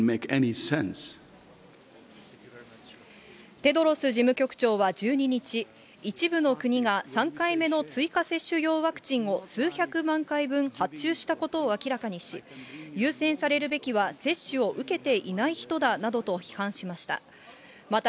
テドロス事務局長は１２日、一部の国が３回目の追加接種用ワクチンを数百万回分発注したことを明らかにし、優先されるべきは接種を受けていない人だなどと批判しました。